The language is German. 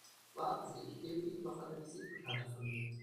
Warten Sie, ich gebe Ihnen noch eine Visitenkarte von mir.